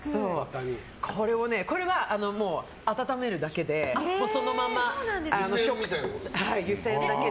これは温めるだけでそのまま湯煎だけで。